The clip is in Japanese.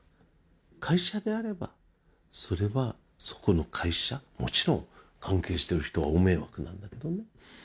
会社であればそれはそこの会社もちろん関係してる人は大迷惑なんだけどね